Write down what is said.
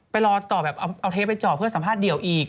รอต่อแบบเอาเทปไปจ่อเพื่อสัมภาษเดี่ยวอีก